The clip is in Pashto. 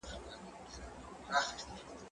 ليک د زده کوونکي له خوا لوستل کيږي،